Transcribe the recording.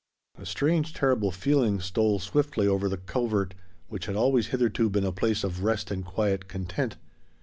A strange, terrible feeling stole swiftly over the covert, which had always hitherto been a place of rest and quiet content.